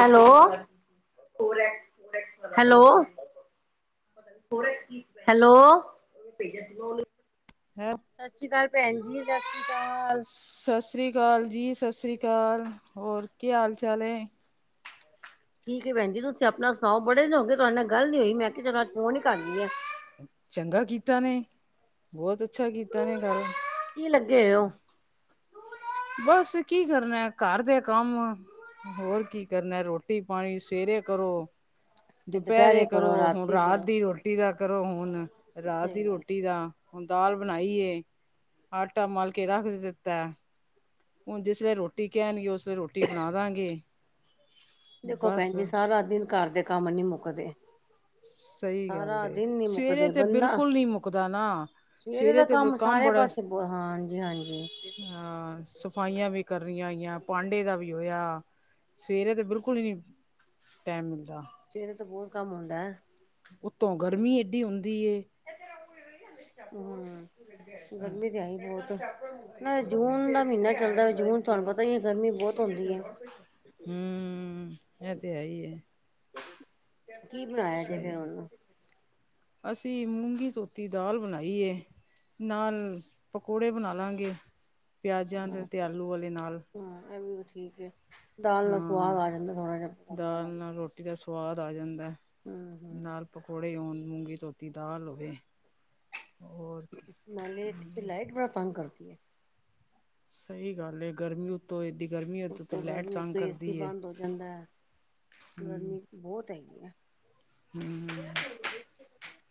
Hello hello hello ਹੈ ਸਤਿ ਸ੍ਰੀ ਅਕਾਲ ਭੈਣ ਜੀ ਸਤਿ ਸ੍ਰੀ ਅਕਾਲ ਸਤਿ ਸ੍ਰੀ ਅਕਾਲ ਜੀ ਸਤਿ ਸ਼੍ਰੀ ਅਕਾਲ ਹੋਰ ਕੀ ਹਾਲ ਚਾਲ ਹੈ ਠੀਕ ਹੈ ਭੈਣੀ ਤੁਸੀਂ ਆਪਣਾ ਸੁਣਾਓ ਬੜੇ ਦਿਨ ਹੋਗੇਏ ਤੁਹਾਡੇ ਨਾਲ ਗੱਲ ਨੀ ਹੋਈ ਮੈਂ ਕਿਹਾ ਚਲੋ ਅੱਜ ਫੋਨ ਹੀ ਕਰੀਏ ਚੰਗਾ ਕੀਤਾ ਨੇ ਬਹੁਤ ਅੱਛਾ ਕੀਤਾ ਨੇ ਗੱਲ ਹਮ ਬਸ ਕੀ ਕਰਨਾ ਘਰ ਦੇ ਕੰਮ ਹੋਰ ਕੀ ਕਰਨਾ ਰੋਟੀ ਪਾਣੀ ਸਵੇਰੇ ਕਰੋ ਦੁਪਹਿਰੇ ਕਰੋ ਹੁਣ ਰਾਤ ਦੀ ਰੋਟੀ ਦਾ ਕਰੋ ਹੁਣ ਰਾਤ ਸਹੀ ਦੀ ਗੱਲ ਰੋਟੀ ਦਾ ਹੁਣ ਦਾਲ ਬਣਾਈਏ ਆਟਾ ਮਲ ਕੇ ਰੱਖ ਦਿੱਤਾ ਹੁਣ ਜਿਸ ਵੇ ਰੋਟੀ ਕਹਿਣਗੇ ਉਸ ਵੇਲੇ ਰੋਟੀ ਬਣਾ ਦਾਂਗੇ ਦੇਖੋ ਬਸ ਭੈਣਜੀ ਸਾਰਾ ਦਿਨ ਘਰ ਦੇ ਕੰਮ ਨੀ ਮੁੱਕਦੇ ਸਹੀ ਗੱਲ ਸਾਰਾ ਦਿਨ ਨੀ ਸਵੇਰੇ ਮੁੱਕਦੇ ਤੇ ਬੰਦਾ ਬਿਲਕੁਲ ਨਹੀਂ ਮੁੱਕਦਾ ਨਾ ਦਾ ਸਵੇਰੇ ਤੇ ਕੰਮ ਸਾਰੇ ਬੜਾ ਪਾਸੇ ਹਾਂਜੀ ਹਾਂਜੀ ਅਹ ਸਫਾਈਆਂ ਵੀ ਕਰਨੀਆਂ ਪਿਆ ਪਾਂਡੇ ਦਾ ਵੀ ਹੋਇਆ ਸਵੇਰੇ ਤੇ ਬਿਲਕੁਲ ਹੀ ਨਹੀਂ ਟੈਮ ਮਿਲਦਾ ਸਵੇਰੇ ਤੋਂ ਬਹੁਤ ਕੰਮ ਹੁੰਦਾ ਹੈ ਉੱਤੋਂ ਗਰਮੀ ਐਏਡੀ ਹੁੰਦੀ ਹਮ ਗਰਮੀ ਤੇ ਆਈ ਬਹੁਤ ਨਹੀਂ ਜੂਨ ਦਾ ਮਹੀਨਾ ਚੱਲਦਾ ਜੂਨ ਤੁਹਾਨੂੰ ਪਤਾ ਹੀ ਹੈ ਗਰਮੀ ਬਹੁਤ ਹੁੰਂਦੀ ਹੈ ਹਮ ਇਹ ਤੇ ਹੈਹੀ ਹੈ ਕੀ ਬਣਾਇਆ ਜੇ ਫੇਿਰ ਸਹੀ ਉਹਨੂੰ ਅਸੀਂ ਮੂੰਗੀ ਧੋਤੀ ਦਾਲ ਬਣਾਈਏ ਨਾਲ ਪਕੌੜੇ ਬਣਾ ਲਾਂਗੇ ਪਿਆਜ਼ਾਂ ਦੇ ਅਤੇ ਆਲੂ ਵਾਲੇ ਨਾਲ ਹਾਂ ਇਹ ਵੀ ਠੀਕ ਹੈ। ਦਾਲ ਨਾਲ ਹਾਂ ਸਵਾਦ ਆ ਜਾਂਦਾ ਥੋੜਾ ਜਿਹਾ ਪਕੌੜਿਆਂ ਦਾਲ ਦਾ ਵੀ ਨਾਲ ਰੋਟੀ ਦਾ ਸਵਾਦ ਆ ਜਾਂਦਾ ਹੂੰ-ਹੂੰ ਨਾਲ ਪਕੌੜੇ ਆਉਣ ਮੂੰਗੀ ਧੋਤੀ ਦਾਲ ਹੋਵੇ ਹੋਰ ਕੀ। ਲਾਈਟ ਬੜਾ ਤੰਗ ਕਰਦੀ ਹੈ ਸਹੀ ਗੱਲ ਏ ਗਰਮੀ ਉੱਤੋਂ ਏਦ ਗਰਮੀ ਹੋ ਉਤੋਂ ਲਾਈਟ ਗਰਮੀ ਤੰਗ ਉਤੋਂ ਕਰਦੀ ਏਸੀ ਹੈ ਬੰਦ ਹੋ ਜਾਂਦਾ ਹੈ। ਹਮ ਗਰਮੀ ਬਹੁਤ ਹੈਗੀ ਹੈ ਹਮ ਹ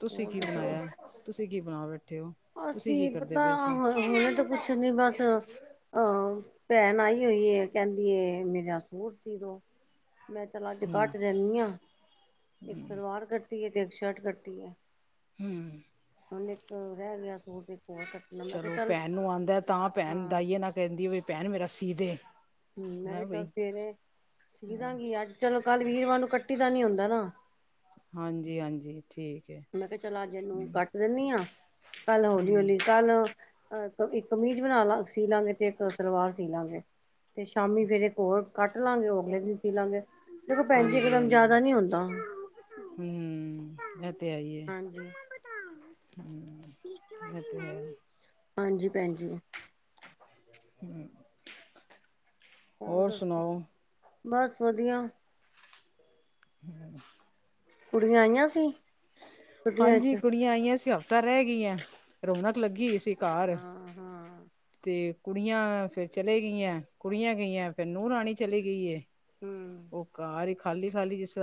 ਤੁਸੀਂ ਕੀ ਬਣਾਇਆ ਤੁਸੀਂ ਕੀ ਬਣਾ ਬੈਠੇ ਹੋ ਤੁਸੀਂ ਕੀ ਅਸੀਂ ਕਰਦੇ ਪਤਾ ਪਏ ਸੀ? ਹੁਣੇ ਤਾਂ ਕੁਛ ਨੀ ਬਸ ਹਹ ਭੈਣ ਆਈ ਹੋਈ ਕਹਿੰਦੀ ਮੇਰਾ ਸੂਟ ਸੀ ਦੋ ਮੈਂ ਕਿਹਾ ਚਲ ਅੱਜ ਹੂੰ, ਘੱਟ ਦਿੰਦੀ ਹਾ ਇੱਕ ਸਲਵਾਰ ਕੱਟੀ ਹੈ ਤੇ ਇੱਕ ਸ਼ਰਟ ਕੱਟੀ ਹੈ ਹਮ ਇੱਕ ਰਹਿ ਗਿਆ ਸੂਟ ਇੱਕ। ਹੋਰ ਕੱਟਣਾ ਮੈਂ ਕਿਹਾ ਚਲੋ ਚੱਲ ਪੈਣ ਨੂੰ ਆਂਦਾ ਤਾਂ ਪੈਣ ਹਾਂ ਦਾਈਏ ਨਾਲ ਕਹਿੰਦੀ ਏ ਬਈ ਪੈਣ ਮੇਰਾ ਸੀ ਦੇ ਹਮ ਮੈਂ ਹੈਂ ਕਿਹਾ ਬਈ ਚਲ ਸਵੇਰੇ ਸੀ ਹਾਂ ਦਾਂਗੀ ਅੱਜ ਕਲ। ਕੱਲ ਵੀਰਵਾਰ ਨੂੰ ਕੱਟੀ ਦਾ ਨੀ ਹੁੰਦਾ ਨਾ। ਹਾਂਜੀ-ਹਾਂਜੀ ਠੀਕ ਏ। ਮੈਂ ਕਿਹਾ ਚਲ ਅੱਜ ਏਨੂੰ ਕੱਟ ਦਿੰਨੀ ਆ ਕੱਲ ਹੌਲੀ ਹੂੰ, ਹੌਲੀ ਕੱਲ। ਅਹ ਇੱਕ ਕਮੀਜ਼ ਬਣਾ ਕੇ ਸੀ ਲਾਂਗੇ ਤੇ ਇੱਕ ਸਲਵਾਰ ਸੀ ਲਾਂਗੇ ਤੇ ਸ਼ਾਮੀ ਫੇਰ ਏਕ ਹੋਰ। ਕੱਟ ਲਾਂਗੇ ਉਹ ਅਗਲੇ ਦਿਨ ਸੀ ਲਾਂਗੇ। ਦੇਖੋ ਭੈਣ ਜੀ ਹਾਂਜੀ ਇਕਦਮ ਹਾਂਜੀ ਜਿਆਦਾ ਨੀ ਹੁੰਦਾ ਹਮ ਇਹ ਤੇ ਹਾਂਜੀ। ਹੈ। [inaudible] ਹਾਂਜੀ ਭੈਣਜੀ। [inaudible] ਹੋਰ ਸੁਣਾਓ? ਬਸ ਵਧੀਆ। [unintelligible] ਕੁੜੀਆਂ ਆਈਆਂ ਸੀ? ਛੁੱਟੀਆਂ ਹਾਂਜੀ ਚ ਕੁੜੀਆਂ ਆਈਆਂ ਸੀ, ਹਫਤਾ ਰਹਿ ਗਈਆਂ। ਰੌਣਕ ਲੱਗੀ ਸੀ ਘਾਰ ਹਾਂ ਹਾਂ ਤੇ ਕੁੜੀਆਂ ਫੇਰ ਚਲੀ ਗਈਆਂ, ਕੁੜੀਆਂ ਗਈਆਂ ਫੇਰ ਨੂਹ ਰਾਣੀ ਚਲੀ ਗਈ ਏ। ਹਮ ਉਹ ਘਰ ਇਕ ਖਾਲੀ ਖਾਲੀ [unintelligible]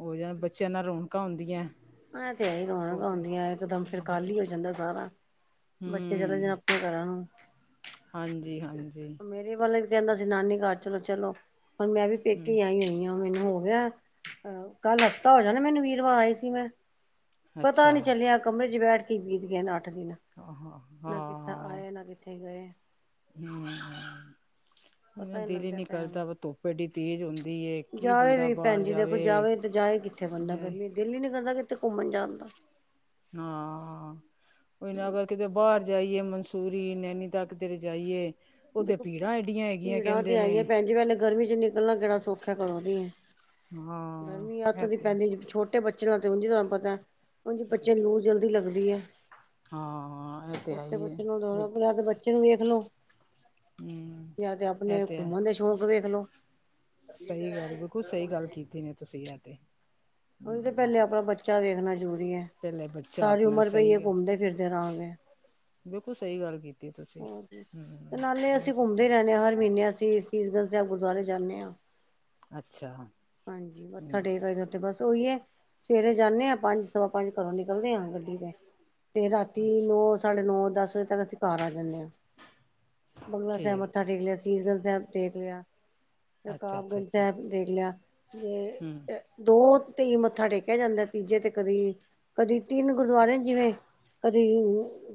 ਹੋ ਜਾਨ, ਬੱਚਿਆਂ ਨਾਲ ਰੌਣਕਾਂ ਹੁੰਦੀਆਂ ਏ ਤੇ ਹੈ ਈ ਰੋਣਕਾ ਬਹੁਤ ਹੁਦੀਆਂ ਇਕ ਦਮ ਫਿਰ ਖ਼ਾਲੀ ਹੋ ਜਾਂਦਾ ਸਾਰਾ ਬੱਚੇ ਚਲੋ ਜਾਨ ਹੂੰ ਅਪਣੇ ਘਰਾਂ ਨੂੰ ਹਾਂਜੀ ਹਾਂਜ ਮੇਰੇ ਵਾਲਾ ਵੀ ਕਹਿੰਦਾ ਸੀ ਨਾਨੀ ਘਰ ਚਲੋ ਚਲੋ, ਹੁਣ ਮੈਂ ਵੀ ਹੂੰ ਪੇਕੇ ਆਈ ਹੋਈ ਆਂ। ਮੈਨੂੰ ਹੋ ਗਿਆ ਕੱਲ ਹੱਫਤਾ ਹੋ ਜਾਨਾ ਮੈਨੂੰ, ਵੀਰਵਾਰ ਆਈ ਸੀ ਮੈਂ। ਪਤਾ ਅੱਛਾ ਨੀ ਚੱਲਿਆ ਕਮਰੇ ਚ ਬੈਠ ਕੇ ਬੀਤ ਗਏ ਨੇ ਅੱਠ ਹਾਂ [unintelligible] ਨਾ ਕਿੱਥੇ ਹਾਂ ਆਏ ਨਾ ਕਿੱਥੇ ਗਏ [inaudible] [inaudible] ਉਹਦਾ ਪਤਾ ਨੀ ਦਿਲ ਹੀ ਲੱਗਿਆ ਟੈਮ ਕਰਦਾ ਧੁੱਪ ਐਡੀ ਤੇਜ਼ ਹੁੰਦੀ ਏ ਦਾ। ਕੀ ਜਾਵੇ ਬੰਦਾ ਵੀ ਬਾਹਰ ਭੈਣ ਜੀ ਦੇਖੋ ਜਾਵੇ ਤੇ ਜਾਏ ਕਿਥੇ ਕਿੱਥੇ ਬੰਦਾ ਜਾਏ ਗਰਮੀ, ਦਿਲ ਈ ਨੀ ਕਰਦਾ ਕਿੱਥੇ ਘੁੰਮਣ ਜਾਣ ਦਾ। ਹਾਂ ਉਹੀ ਨ ਅਗਰ ਕਿਤੇ ਬਾਹਰਿ ਜਾਈਏ ਮੰਸੂਰੀ, ਨੈਨੀਤਾਲ ਕਿਧਰੇ ਜਾਈਏ ਉਹਦੇ ਦੇਖੋ ਭੀੜਾਂ ਐਡੀਆਂ ਹੈਗੀਆਂ ਭੀੜਾ ਤੇ ਕਹਿੰਦੇ ਨੇ ਹੇਗੀਆਂ ਭੈਣ ਜੀ, ਪਹਲੇ ਗਰਮੀ ਚ ਨਿਕਲਣਾ ਕੇਹੜਾ ਸੋਖਾ [unintelligible] ਘਰੋ ਦੀ। ਹਾਂ ਗਰਮੀ ਅੱਤ ਇਹ ਦੀ ਤੇ ਪੈਂਦੀ, ਛੋਟੇ ਬੱਚੇ ਨਾਲ ਤੇ ੳਂੰਜ ਈ ਤੁਹਾਨੂੰ ਪਤਾ ਹਂਜੀ ਬੱਚਿਆਂ ਨੂੰ ਲੂ ਜਲਦੀ ਲੱਗਦੀ ਏ। ਹਾਂ ਇਹ ਤੇ ਹੈ ਛੋਟੇ ਹੀ ਹੈ ਬੱਚੇ ਨਾਲ ਜਾਨਾ, ਫੇਰ ਯਾਂ ਤੇ ਬੱਚੇ ਨੂੰ ਵੇਖ ਲੋ ਹਮ ਜਾਂ ਤੇ ਇਹ ਅਪਣੇ ਹੈ ਘੁੰਮਣ ਦੇ ਸ਼ੌਕ ਵੇਖ ਲੋ। ਸਹੀ ਗੱਲ, ਬਿਲਕੁਲ ਸਹੀ ਗੱਲ ਕੀਤੀ ਨੇ ਤੁਸੀਂ, ਐ ਤੇ। ਉਹੀ ਤੇ ਹਮ ਪਹਿਲੇ ਅਪਣਾ ਬੱਚਾ ਵੇਖਣਾ ਜ਼ਰੂਰੀ ਪਹਿਲੇ ਬੱਚਾ ਸਾਰੀ ਆਪਣਾ ਉਮਰ ਪਈ ਏ ਸਹੀ ਘੁੰਮਦੇ ਫਿਰਦੇ ਰਾਂ ਗੇ। ਬਿਲਕੁਲ ਸਹੀ ਗੱਲ ਕੀਤੀ ਤੁਸੀਂ ਹਮ ਨਾਲੇ ਇਹ ਅਸੀਂ ਤੇ ਘੁੰਮਦੇ ਰਹਿੰਨੇ ਹਾਂ ਹਰ ਮਹੀਨੇ ਅਸੀਂ ਸੀਸਗੰਜ ਸਾਹਿਬ ਗੁਰਦੁਆਰੇ ਜਾਂਣੇ ਆਂ। ਅੱਛਾ। ਹਾਂਜੀ ਮੱਥਾ ਹਮ ਟੇਕ ਆਈ ਦਾ ਉੱਥੇ, ਬਸ ਉਹੀ ਏ ਸਵੇਰੇ ਜਾਨੇ ਆਂ ਪੰਜ ਸਵਾ ਪੰਜ ਘਰੋਂ ਨਿਕਲਨੇ ਆ ਗੱਡੀ ਤੇ, ਤੇ ਰਾਤੀ ਅੱਛਾ ਨੌ, ਸਾਢੇ ਨੌ, ਦਸ ਵਜੇ ਤਕ ਅਸੀਂ ਘਰ ਆ ਜਾਨੇ ਆਂ। ਬੰਗਲਾ ਸਾਹਿਬ ਠੀਕ ਮੱਥਾ ਹੈ ਟੇਕ ਲਿਆ, ਸੀਸਗੰਜ ਸਾਹਿਬ ਟੇਕ ਲਿਆ, ਅੱਛਾ ਅੱਛਾ ਰਕਾਬਗੰਜ ਅੱਛਾ ਸਾਹਿਬ ਟੇਕ ਲਿਆ, ਜੇ ਹਮ ਦੋ ਤੇ ਈ ਮੱਥਾ ਟੇਕਿਆ ਜਾਂਦਾ, ਤੀਜੇ ਤੇ ਕਦੀ ਕਦੀ ਤਿੰਨ ਗੁਰਦੁਆਰੇ ਨੇ ਜਿਵੇਂ ਕਦੀ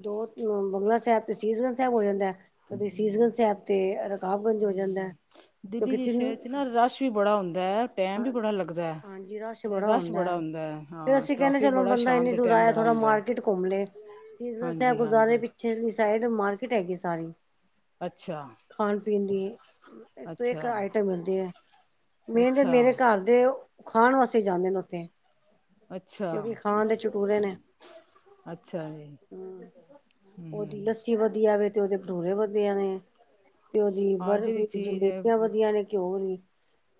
ਦੋ ਨਵੰਬਰ ਬੰਗਲਾ ਸਾਹਿਬ ਤੇ ਸੀਸਗੰਜ ਸਾਹਿਬ ਹੋ ਜਾਂਦਾ ਏ ਕਦੇ ਸੀਸਗੰਜ ਸਾਹਿਬ ਤੇ ਰਕਾਬਗੰਜ ਹੋ ਜਾਂਦਾ ਏ। ਦਿੱਲੀ ਜੇ ਸ਼ਹਿਰ ਚ ਨਾ ਰਸ਼ ਵੀ ਬੜਾ ਹੁੰਦਾ ਟਾਈਮ ਵੀ ਬੜਾ ਲੱਗਦਾ ਏ, ਰਸ਼ ਬੜਾ ਹੁੰਦਾ ਏ, ਹਾਂ ਟ੍ਰੈਫਿਕ ਬੜਾ ਸ਼ਾਮ ਦੇ ਟੈਮ ਏਹ ਥੋੜਾ ਮਾਰਕੀਟ ਘੁੰਮ ਲਏ, ਸੀਸਗੰਜ ਸਾਹਿਬ ਹਾਂਜੀ ਗੁਰੂਦੁਆਰੇ ਹਾਂਜੀ ਪਿੱਛੇ ਦੀ ਸਾਈਡ ਮਾਰਕੀਟ ਹੈਗੀ ਸਾਰੀ। ਅੱਛਾ ਖਾਣ ਪੀਣ ਦੀ ਇੱਕ ਤੋਂ ਇੱਕ ਅੱਛਾ ਆਈਟਮ ਮਿਲਦੀ ਏ। ਮੇਰੇ ਤੇ ਅੱਛਾ ਮੇਰੇ ਘਰ ਦੇ ਖਾਣ ਵਾਸਤੇ ਜਾਂਦੇ ਨੇ ਉੱਥੇ ਅੱਛਾ ਕਿਉਂਕਿ ਖਾਣ ਦੇ ਚਟੂਰੇ ਨੇ ਅੱਛਾ ਜੀ ਹੂੰ। ਉਹਦੀ ਹਮ ਲੱਸੀ ਵਧੀਆ ਵੇ ਤੇ ਉਹਦੇ ਭਟੂਰੇ ਵਧਿਆ ਨੇ ਤੇ ਉਹਦੀ ਹਾਂ ਜਿਹੜੀ ਬਰਫ਼ੀ, ਚੀਜ਼ ਹੈ ਜਲੇਬੀਆਂ ਵਧਿਆ ਨੇ ਘਿਓ ਵਾਲੀ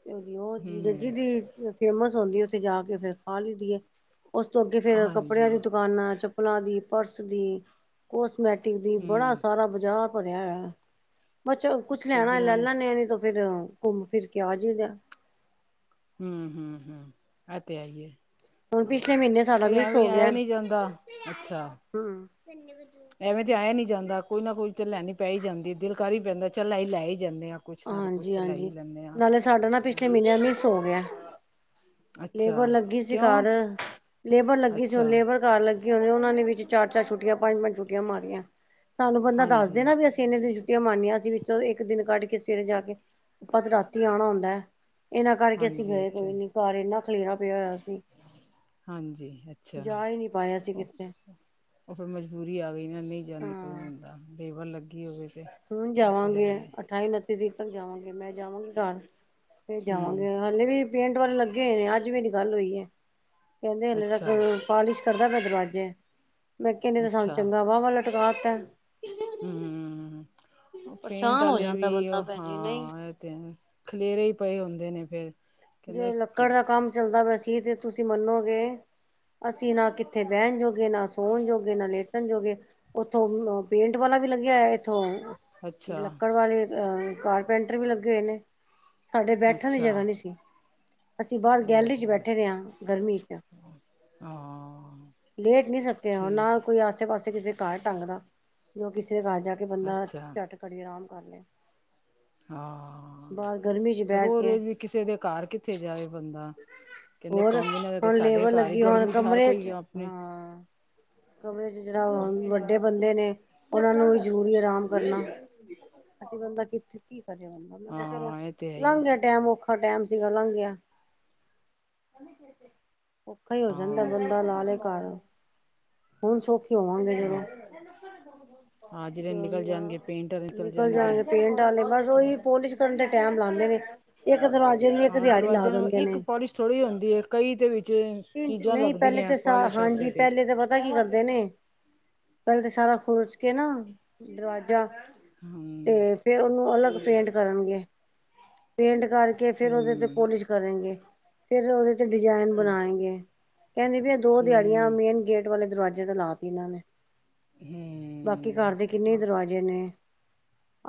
ਤੇ ਉਹਦੀ ਉਹ ਚੀਜ਼, ਹਮ ਜਿਹਦੀ ਫੇਮਸ ਹੁੰਦੀ ਏ ਉੱਥੇ ਜਾ ਕੇ ਫਿਰ ਖਾ ਲਈ ਦੀ ਏ। ਉਸ ਤੋਂ ਅੱਗੇ ਫਿਰ ਹਾਂਜੀ ਕੱਪੜਿਆਂ ਦੀ ਦੁਕਾਨਾਂ, ਚੱਪਲਾਂ ਦੀ, ਪਰਸ ਦੀ, ਕੋਸ ਮੈਟਿਕ ਦੀ ਬੜਾ ਹਮ ਸਾਰਾ ਬਜਾਰ ਭਰਿਆ ਹੋਆ। ਬ ਚ ਕੁੱਛ ਫਿਰ ਲੈਣਾ ਲੈ ਜਿਨਾਂ ਲਾਂ ਨੇਣੀ ਤ ਫਿਰ ਘੁੰਮ ਫਿਰ ਕ ਆ ਜਾਈ ਦਾ। ਹਮ ਹਮ ਹਮ ਐਤੇ ਹੇਈ ਐ। ਹੁਣ ਪਿਛਲੇ ਮਹੀਨੇ ਸਾਡਾ ਫਿਰ ਮਿਸ ਐਵੇਂ ਹੋ ਗਿਆ। ਆਯਾ ਨਹੀਂ ਜਾਂਦਾ। ਅੱਛਾ, ਐਵੇਂ ਤੇ ਆਇਆ ਨੀ ਜਾਂਦਾ ਕੋਈ ਨਾ ਕੋਈ ਤੇ ਲੈਣੀ ਪੈ ਹੀ ਜਾਂਦੀ ਦਿਲ ਕਰ ਹੀ ਪੈਂਦਾ ਚੱਲ ਲ ਲੈ ਹੀ। ਜਾਂਦੇ ਹਾਂ ਕੁਛ ਨਾ ਕੁਛ ਹਾਂਜੀ ਤੇ ਲੈ ਹੀ ਹਾਂਜੀ ਲੈਂਦੇ ਹਾਂ ਨਾਲੇ ਸਾਡਾ ਨਾ ਪਿਛਲੇ ਮਹੀਨਿਆਂ ਮਿਸ ਹੋ ਗਿਆ। ਲੇਬਰ ਅੱਛਾ ਲੱਗੀ ਸੀ ਕਾਰ ਕਿਉਂ ਲੇਬਰ ਲੱਗੀ ਸੀ ਹੁਣ ਅੱਛਾ ਲੇਬਰ ਕਾਰ ਲੱਗੀ। ਉਹਨਾਂ ਨੇ ਵਿੱਚ ਚਾਰ ਚਾਰ ਛੁੱਟੀਆਂ ਪੰਜ ਪੰਜ ਛੁੱਟੀਆਂ ਮਾਰੀਆਂ। ਸਾਨੂੰ ਬੰਦਾ ਦੱਸ ਦੇ ਹਾਂਜੀ ਨਾ ਵੀ ਅਸੀਂ ਇੰਨੇ ਦਿਨ ਛੁੱਟੀਆਂ ਮਾਰਨੀਆਂ ਅਸੀਂ ਵਿੱਚੋਂ ਇੱਕ ਦਿਨ ਕੱਢ ਕੇ ਫਿਰ ਜਾ ਕੇ ਆਪਾਂ ਤੇ ਰਾਤੀ ਆਉਣਾ ਹੁੰਦਾ ਹੈ ਇਹਨਾਂ ਕਰਕੇ ਅਸੀਂ ਹਾਂਜੀ ਗਏ ਅੱਛਾ ਕੋਈ ਨੀ ਘਰ ਇਹਨਾ। ਖਲੇਰਾ ਪਯਾ ਹੋਯਾ ਹਾਂਜੀ ਅੱਛਾ। ਜਾ ਹੀ ਨਹੀਂ ਪਾਏ ਅਸੀਂ ਕਿੱਥੇ ਉਹ ਫਿਰ ਮਜਬੂਰੀ ਆ ਗਈ ਨਹੀਂ ਜਾਣੀਪੁਰ ਹੁੰਦਾ ਲੇਬਰ ਲੱ ਹ ਜਾਵਾਂਗੇ ਅਠਾਈ ਉਨੱਤੀ ਤਰੀਕ ਤੱਕ ਜਾਵਾਂਗੇ ਮੈਂ ਜਾਵਾਂਗੀ ਘ ਫ ਹਮ ਜਾਵਾਂਗੇ ਹਾਲੇ ਵੀ ਪੇਂਟ ਵਾਲੇ ਲੱਗੇ ਹੋਏ ਨੇ ਅੱਜ ਮੇਰੀ ਵੀ ਗੱਲ ਹੋਈ ਹੈ। ਕਹਿੰਦੇ ਹਲੇ ਅੱਛਾ ਤ ਪਾਲਿਸ਼ ਕਰਦਾ ਪਿਆ ਦਰਵਾਜ਼ੇ। ਮੈਂ ਕਿਹਾ ਨਹੀਂ ਤੇ ਸਾਨੂੰ ਚੰਗਾ ਵਾਹ ਵਾ ਲਟਕਾ ਤੇ। ਹਮਮਮ ਪੇਂਟ ਪਰੇਸ਼ਾਨ ਹੋ ਵਾਲੇ ਜਾਂਦਾ ਵੀ ਬੰਦਾ ਉਹ ਭੈਣ ਜੀ ਨਹੀਂ ਹਾਂ ਇਹ ਤੇ ਖਲੇਰੇ ਹੀ ਪਏ ਹੁੰਦੇ ਨੇ। ਫਿਰ ਜੇ ਕਹਿੰਦੇ ਲੱਕੜ ਦਾ ਕੰਮ ਚੱਲਦਾ ਪਇਆ ਸੀ ਤੇ ਤੁਸੀਂ ਮੰਨੋ ਗੇ। ਅਸੀਂ ਨਾ ਕਿੱਥੇ ਬਹਿਣ ਜੋਗੇ ਨਾ ਸੋਣ ਜੋਗੇ ਨਾ ਲੇਟਣ ਜੋਗੇ ਉੱਥੋਂ ਅ ਪੇਂਟ ਵਾਲਾ। ਵੀ ਲੱਗਿਆ ਇੱਥੋਂ ਅੱਛਾ ਲੱਕੜ ਵਾਲੇ ਅਹ ਕਾਰਪੈਂਟਰ ਵੀ ਲੱਗੇ ਹੋਏ ਨੇ। ਸਾਡੇ ਬੈਠਣ ਦੀ ਅੱਛਾ ਜਗ੍ਹਾ ਨਹੀਂ ਸੀ। ਅਸੀਂ ਬਾਹਰ ਗੈਲਰੀ ਚ ਓਹੋ ਬੈਠੇ ਰਹੇ ਹਾਂ ਗਰਮੀ ਚ। ਹਾਂ ਲੇਟ ਨੀ ਸਕਦੇ ਉਹ ਠੀਕ ਨਾ ਕੋਈ ਆਸੇ ਪਾਸੇ। ਕਿਸੇ ਘਰ ਢੰਗ ਦਾ ਜੋ ਕਿਸੇ ਦੇ ਘਰ ਜਾ ਕੇ ਹੈ ਬੰਦਾ ਅੱਛਾ ਝੱਟ ਕੜੀ ਆਰਾਮ ਕਰ ਲਏ। ਹਾਂ ਬਾਹਰ ਗਰਮੀ ਚ ਬੈਠ ਰੋਜ਼ ਕੇ ਰੋਜ਼ ਵੀ ਕਿਸੇ ਦੇ ਘਰ ਕਿੱਥੇ ਜਾਏ ਬੰਦਾ। ਕਹਿੰਦੇ ਹੋਰ ਕੰਮ ਹੀ ਨਾ ਹੁਣ ਸਾਡੇ ਲੇਬਰ ਘਰ ਹੀ ਲੱਗੀ ਹੁਣ ਗਰਮੀ ਹਰ ਕਮਰੇ ਕੋਈ ਚ ਆਪਣੇ ਹਾਂ। ਕਮਰੇ ਚ ਜਿਹੜਾ ਆਪ। ਵੱਡੇ ਬੰਦੇ ਨੇ। ਉਹਨਾ ਨੂੰ ਵੀ ਜ਼ਰੂਰੀ ਆਰਾਮ ਕਰਨਾ ਅਸੀ ਬੰਦਾ ਕਿਥੇ। ਚਲੋ ਹਾਂ ਇਹ ਤੇ ਹੈ ਹੀ ਹੈ। ਲੰਘ ਗਿਆ ਟੈਮ ਔਖਾ। ਔਖਾ ਟਾਈਮ ਸੀਗਾ ਲੰਘ ਗਿਆ। ਔਖਾ ਹੋ ਜਾਂਦਾ ਹਾਂ ਬੰਦਾ ਲਾ ਲੈ ਘਰ ਹੁਣ ਸੌਖੀ,, ਤੋਵਾਂਗੇ ਜਦੋਂ। ਹਾਂ ਹਾਂ ਜਿਹੜੇ ਨਿਕਲ ਜਾਣਗੇ ਪੇਂਟਰ ਨਿਕਲ ਜਾਣਗੇ ਪੇਂਟ ਵਾਲੇ ਬਸ ਤਾਂ ਉਹੀ ਪੋਲਿਸ਼ ਕਰਨ ਦੇ। ਟੈਮ ਲਾਉਦੇ ਨੇ ਇੱਕ ਦਰਵਾਜੇ ਦੀ ਇੱਕ ਹਾਂ ਦਿਹਾੜੀ ਲਾ ਦਰਵਾਜ਼ੇ ਨੂੰ ਦਿੰਦੇ ਇੱਕ ਨੇ। ਪੋਲਿਸ਼ ਥੋੜ੍ਹੀ ਹੁੰਦੀ ਹੈ ਕਈ ਦੇ ਵਿੱਚ ਇ ਚੀਜ਼ਾਂ ਨਹੀਂ ਪਹਿਲੇ ਲੱਗਦੀਆਂ ਤਾਂ ਸਾ ਪਾਲਿਸ਼ ਹਾਂਜੀ ਵਾਸਤੇ ਤੇ ਪਹਿਲੇ ਤਾਂ ਪਤਾ ਕੀ ਕਰਦੇ ਨੇ। ਪਹਿਲੇ ਤੇ ਸਾਰਾ ਖੂਰਚ ਕੇ ਨਾ ਦਰਵਾਜਾ ਤੇ ਹਮ ਫੇਰ ਉਹਨੂੰ ਅਲੱਗ। ਪੇਂਟ ਕਰਨਗੇ ਪੇਂਟ ਕਰਕੇ ਫਿਰ ਉਹਦੇ ਤੇ ਹਮ ਪੋਲਿਸ਼ ਕਰਨਗੇ ਫਿਰ ਉਹਦੇ ਡਿਜ਼ਾਇਨ ਬਣਾਏ ਗੇ, ਕਹਿੰਦੀ ਪੀ ਇਹ ਦੋ ਦਿਹਾੜੀਆਂ ਹਮ ਮੇਨ ਗੇਟ ਵਾਲੇ ਦਰਵਾਜੇ ਤਾਂ ਲਾ ਤ ਇਹਨਾਂ ਨੇ, ਬਾਕੀ ਘਰ ਹਮ ਦੇ ਕਿੰਨੇ ਹਾਂ ਦਰਵਾਜੇ ਨੇ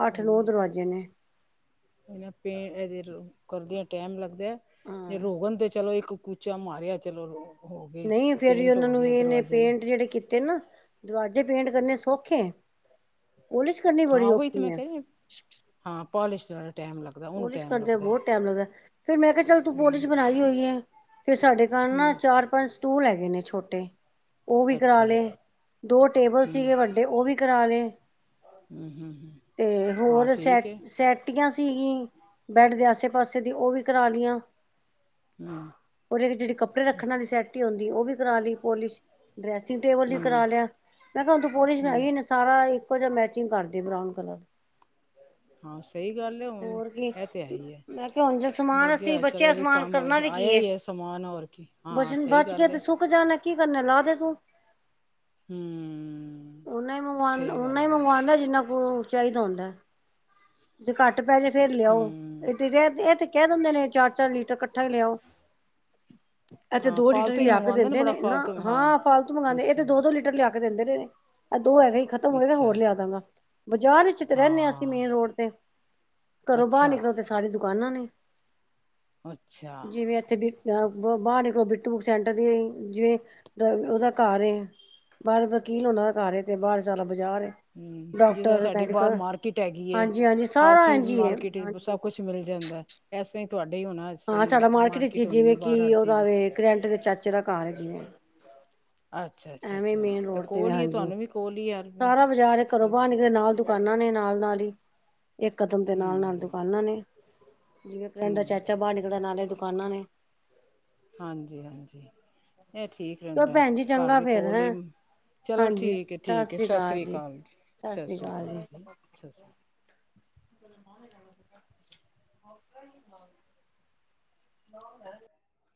ਅੱਠ- ਨੌ ਦਰਵਾਜ਼ੇ ਨੇ ਇਹ ਪੇਟ ਅ ਰੋ ਕਰਦਿਆਂ ਟਾਈਮ ਲੱਗਦਾ। ਤੇ ਹਾਂ ਰੋਗਣ ਤੇ ਚਲੋ ਇੱਕ ਕੁੂਚਾ ਮਾਰ [unintelligible] ਨਹੀਂ ਫੇਰ, ਵੀ ਉਹਨਾਂ ਨੂੰ ਇਹਨੇ ਨੂੰ ਪੇਂਟ ਜਿਹੜੇ ਕੀਤੇ ਨਾ ਦਰਵਾਜ਼ੇ ਪੇਂਟ ਕਰਨੇ ਸੌਖੇ ਪੋਲਿਸ਼ ਕਰਨੀ ਬੜੀ ਔਖੀ ਐ। ਪੋਲੀਸ਼ ਪੋਲਿਸ ਕਰਦਿਆਂ ਬਹੁਤ ਟਾਈਮ ਲੱਗਦਾ। ਫੇਰ ਮੈਂ ਕਿਹਾ ਚੱਲ ਤੂੰ ਪੋਲਿਸ ਬਣਾਈ ਹੋਈ ਐ। ਫ ਸਾਡੇ ਘਰ ਨਾ ਹੂੰ ਚਾਰ ਪੰਜ ਸਟੂਲ ਹੈਗੇ ਨੇ ਛੋਟੇ, ਉਹ ਵੀ ਕਰਾ ਅੱਛਾ ਲਏ ਦੋ ਟੇਬਲ ਸੀਗੇ ਹੂੰ ਵੱਡੇ ਉਹ ਵੀ ਕਰਾ ਲਏ, ਹੂੰ ਹੂੰ ਹੂੰ। ਤੇ ਹਾਂ ਹੋਰ ਠੀਕ ਹੈ ਸੈ- ਸੈਟੀਆਂ ਸੀਗੀ ਬੈਡ ਦੇ ਆਸੇ ਪਾਸੇ ਦੀ ਉਹ ਵੀ ਕਰਾ ਲਈਆਂ। ਹੂੰ ਉਹਦੇ'ਚ ਜਿਹੜੇ, ਕੱਪੜੇ ਰੱਖਣ ਵਾਲੀ ਸੈਟੀ ਆਉਂਦੀ ਉਹ ਵੀ ਕਰਾ ਲਈ ਪੋਲਿਸ਼ ਡਰੈਸਿੰਗ ਟੇਬਲ ਵੀ ਹੂੰ ਕਰਾ ਲਿਆ। ਮੈਂ ਕਿਹਾ ਹੁਣ ਪੋਲੀਸ਼ ਹੈ ਹੂੰ ਗੀ ਸਾਰਾ ਏ ਇੱਕੋ ਜਿਹਾ ਮੈਚਿੰਗ ਕਰਦੇ ਬਰਾਊਨ ਕਲਰ ਹਾਂ। ਸਹੀ ਗੱਲ ਐ। ਹੁਣ ਹੋਰ ਕੀ ਇਹ ਤੇ ਹੈ ਹੀ ਹੈ। ਮੈਂ ਕਿਹਾ ਹੁਣ ਜੇ ਸਮਾਨ ਅਸੀਂ ਲੱਗਿਆ ਚਲ ਬੱਚਿਆਂ ਵੀ ਸਮਾਨ ਕੰਮ ਕਰਨਾ ਵੀ ਆਇਆ ਕੀ ਹੈ। ਈ ਐ। ਸਭ ਸਮਾਨ ਹੋਰ ਕੀ, ਹਾਂ ਸਹੀ ਗੱਲ ਐ। ਕਨੈ ਲਾ ਦੇ ਤੂੰ ਹੂੰ। ਉਹ ਨਾ ਹੀ ਸਹੀ ਮੰਗਵਾ-ਓਨਾ ਹੀ ਗੱਲ ਹੈ ਮੰਗਵਾਉਂਦਾ ਜਿੰਨਾ ਕੋ ਉਹ ਚਾਹੀਦਾ ਹੁੰਦਾ ਐ। ਜੇ ਘੱਟ ਪੈ ਜੇ ਫੇਰ ਲਿਆਓ, ਹਮ ਇਹ ਤ- ਇਹ ਤੇ ਕਹਿ ਦਿੰਦੇ ਨੇ, ਚਾਰ -ਚਾਰ ਲੀਟਰ ਇਕੱਠਾ ਹੀ ਲਿਆਓ। ਐ ਤਾ ਹਾਂ ਦੋ ਲੀਟਰ ਹੀ ਫਾਲਤੂ ਲਿਆ ਕੇ ਮੰਗਵਾਉਂਦੇ ਦਿੰਦੇ ਬੜਾ ਨੇ, ਨਾ ਫਾਲਤੂ ਹਾਂ ਫਾਲਤੂ ਮੰਗਵਾਉਂਦੇ। ਇਹ ਅੱਛਾ ਤੇ ਦੋ -ਦੋ ਲੀਟਰ ਲਿਆ ਕੇ ਦਿੰਦੇ ਰਹੇ ਨੇ। ਇਹ ਦੋ ਹੈਗੇ ਹੀ ਖਤਮ ਹੋਏ ਅੱਛਾ ਹੋਰ ਲਿਆ ਦਾਂਗਾ? ਬਾਜ਼ਾਰ ਵਿੱਚ ਤੇ ਰਹਿੰਦੇ ਹਾਂ ਅਸੀਂ ਮੇਨ ਰੋਡ ਤੇ ਘਰੋਂ ਬਾਹਰ ਅੱਛਾ ਨਿਕਲੋ ਤੇ ਸਾਰੀਆਂ ਦੁਕਾਨਾਂ ਨੇ ਅੱਛਾ। ਜਾਂ ਬਾਹਰ ਨਿਕਲੋ ਬਿੱਟੂ ਸੈਂਟਰ ਹੈ। ਜਿਵੇਂ ਉਹਦਾ ਘਰ ਐ। ਬਾਹਰ ਵਕੀਲ ਹੁਣਾ ਦਾ ਘਰ ਐ, ਤੇ ਬਾਹਰ ਸਾਰਾ ਬਜ਼ਾਰ ਹਮ ਜਿਸ ਤਰ੍ਹਾਂ ਡਾਕਟਰ, ਸਾਡੀ ਬਾਹਰ ਮੈਡੀਕਲ ਮਾਰਕੀਟ ਹੈਗੀ ਏ ਹਾਂਜੀ ਹਾਂਜੀ। ਹਰ ਸਾਰਾ ਇੰਜ ਚੀਜ਼ ਹੀ ਐ। ਮਾਰਕੀਟ ਹਾਂਜੀ ਸਭ ਕੁਛ ਮਿਲ ਜਾਂਦਾ ਇਸ ਤਰ੍ਹਾਂ ਹੀ ਤੁਹਾਡੇ ਹੀ ਹੋਣਾ ਇਸ ਹਾਂ। ਤਰ੍ਹਾਂ ਹੀ ਸਾਡਾ ਮਾਰਕੀਟ ਵਿੱਚ ਹੋਣੀ ਜਿਵੇਂ, ਹੈ ਬਾਹਰ ਹਰ ਕਿ ਉਹਦਾ ਚੀਜ਼ ਕਰੈਟ ਦੇ ਵਿਚੱ ਚਾਚੇ ਦਾ ਘਰ ਹੈ। ਜਿਵੇ ਅੱਛਾ ਅੱਛਾ ਐਵੇਂ ਅੱਛਾ ਮੇਨ ਰੋਡ ਤੇ ਐ ਕੋਲ ਹੀ ਹੈ ਹਾਂਜੀ। ਤੁਹਾਨੂੰ ਵੀ ਕੋਲ ਹੀ ਯਾਰ ਸਾਰਾ ਬਾਜ਼ਾਰ ਘਰੋਂ ਸਭ ਬਾਹਰ ਨੇ ਨਾਲ ਦੁਕਾਨਾਂ ਨੇ ਨਾਲ -ਨਾਲ ਹੀ ਇਕ ਕਦਮ ਤੇ ਨਾਲ ਹਮ -ਨਾਲ ਦੁਕਾਨਾਂ ਨੇ ਜਿਵੇਂ ਕੈਟ ਦਾ ਹਮ ਚਾਚਾ ਬਾਹਰ ਨਿਕਲਦਾ, ਨਾਲੇ ਦੁਕਾਨਾਂ ਨੇ ਹਾਂਜੀ ਹਾਂਜੀ। ਇਹ ਠੀਕ ਚਲੋ ਰਹਿੰਦਾ, ਭੈਣ ਜੀ ਘਰ ਚੰਗਾ ਦੇ ਫੇਰ ਕੋਲ ਈ ਹੈਂ। ਚਲੋ ਠੀਕ ਹੈ, ਠੀਕ ਹੈ, ਸਤਿ ਸ਼੍ਰੀ ਅਕਾਲ ਜੀ। ਸਤਿ ਸ਼੍ਰੀ ਅਕਾਲ ਜੀ। ਸਤਿ ਸ਼੍ਰੀ ਅਕਾਲ ਉਹ ਨੂੰ ਕਿਹ ਦੇ